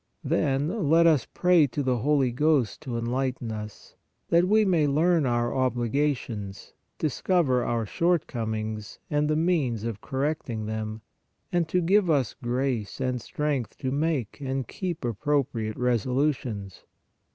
Then let us pray to the Holy Ghost to enlighten us, that we may learn our obligations, discover our shortcomings and the means of correcting them and to give us grace and strength to make and keep appropriate resolutions.